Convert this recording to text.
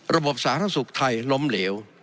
ระบบสารสุขไทยล้มเหลว